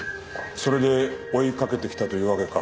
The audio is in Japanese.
それで追いかけてきたというわけか。